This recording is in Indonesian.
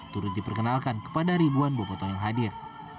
turut diperkenalkan kepada ribuan bobotoh yang hadir